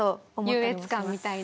優越感みたいな。